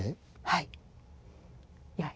はい。